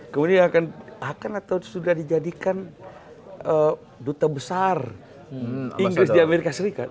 kemudian akan atau sudah dijadikan duta besar inggris di amerika serikat